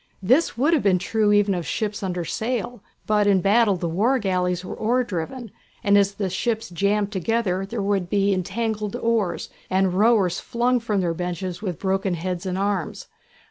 This would have been true even of ships under sail, but in battle the war galleys were oar driven, and as the ships jammed together there would be entangled oars, and rowers flung from their benches with broken heads and arms.